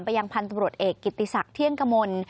ยังพันธบรวจเอกกิติศักดิ์เที่ยงกมล